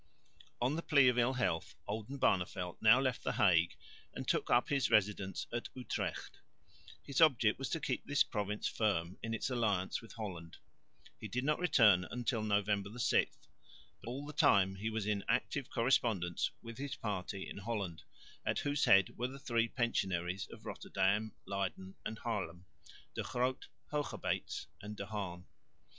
On the plea of ill health Oldenbarneveldt now left the Hague, and took up his residence at Utrecht. His object was to keep this province firm in its alliance with Holland. He did not return till November 6, but all the time he was in active correspondence with his party in Holland, at whose head were the three pensionaries of Rotterdam, Leyden and Haarlem De Groot, Hoogerbeets and De Haan.